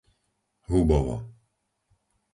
Hubovo